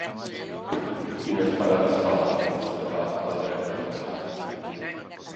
Quines parades fa l'autobús que va a Pedret i Marzà?